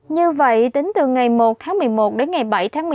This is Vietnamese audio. như vậy tính từ ngày một tháng một mươi một đến ngày bảy tháng một mươi